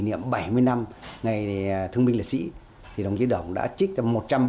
năm hai nghìn một mươi bảy nhân kỷ niệm bảy mươi năm ngày thương binh liệt sĩ thì đồng chí đồng đã trích về